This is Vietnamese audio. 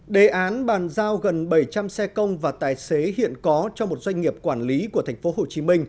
đề án bàn giao gần bảy trăm linh xe công và tài xế hiện có cho một doanh nghiệp quản lý của tp hcm